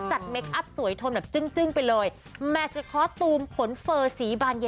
จัดเมคอัพสวยโทมน์แบบจึ้งไปเลย